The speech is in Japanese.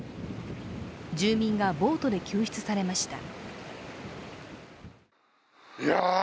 住民がボートで救出されました。